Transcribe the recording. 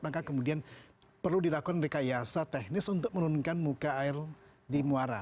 maka kemudian perlu dilakukan rekayasa teknis untuk menurunkan muka air di muara